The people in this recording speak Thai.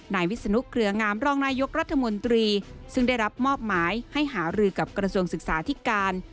วิศนุเครืองามรองนายกรัฐมนตรีซึ่งได้รับมอบหมายให้หารือกับกระทรวงศึกษาธิการ